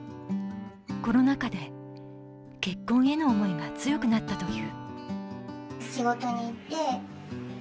コロナ禍で結婚への思いが強くなったという。